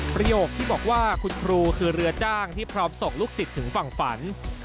ประโยคที่บอกว่าคุณครูคือเรือจ้างที่พร้อมส่งลูกศิษย์ถึงฝั่งฝัน